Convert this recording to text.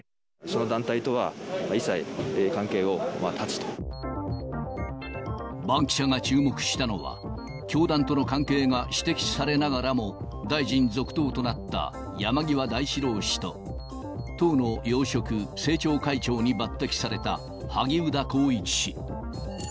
その団体とは一切関係を断つバンキシャが注目したのは、教団との関係が指摘されながらも大臣続投となった山際大志郎氏と、党の要職、政調会長に抜てきされた萩生田光一氏。